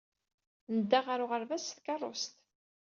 Nedda ɣer uɣerbaz s tkeṛṛust.